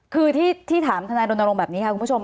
คือที่ถามคณะดนตรงแบบนี้ค่ะคุณผู้ชม